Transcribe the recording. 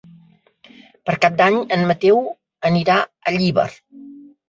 Per Cap d'Any en Mateu anirà a Llíber.